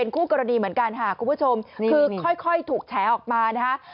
คือค่อยถูกแฉออกมา